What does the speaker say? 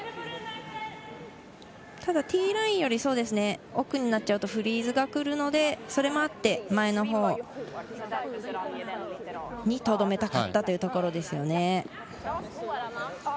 ただティーラインより奥になってしまうとフリーズが来るのでそれもあって前のほうにとどめたかったということですね。